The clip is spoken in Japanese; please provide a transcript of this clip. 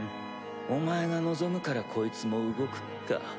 お前が望むからこいつも動くか。